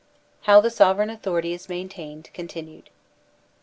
How THE Sovereign Authority is Maintained — (Continued.)